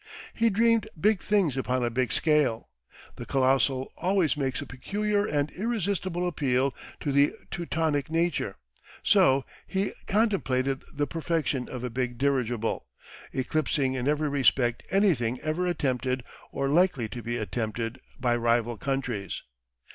He dreamed big things upon a big scale. The colossal always makes a peculiar and irresistible appeal to the Teutonic nature. So he contemplated the perfection of a big dirigible, eclipsing in every respect anything ever attempted or likely to be attempted by rival countries.